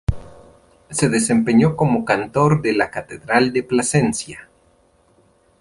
Se desempeñó como cantor de la Catedral de Plasencia.